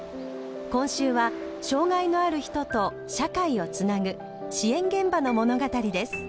今週は障がいのある人と社会をつなぐ支援現場の物語です。